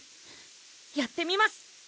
やってみます！